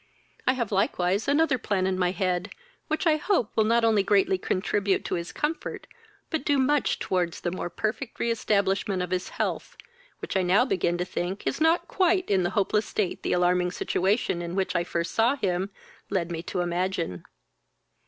I have likewise another plan in my head, which I hope will not only greatly contribute to his comfort, but do much towards the more perfect re establishment of his health, which I now begin to think is not quite in the hopeless state the alarming situation in which I first saw him led me to imagine."